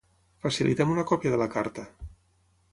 Facilita'm una còpia de la carta.